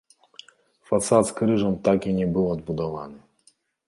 Фасад з крыжам так і не быў адбудаваны.